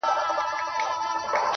خدايه هغه داسي نه وه.